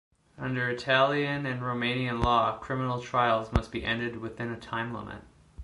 Under Italian and Romanian law, criminal trials must be ended within a time limit.